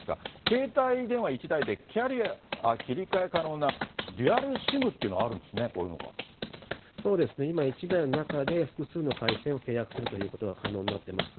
携帯電話１台でキャリア切り替え可能なデュアルＳＩＭっていうのそうですね、今、１台の中で複数の回線を契約するということが可能になっています。